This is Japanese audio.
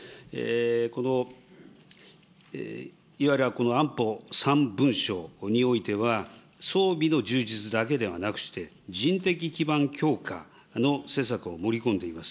このいわゆる安保三文書においては、装備の充実だけではなくして、人的基盤強化の施策を盛り込んでいます。